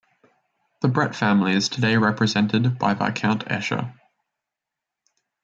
The Brett family is today represented by Viscount Esher.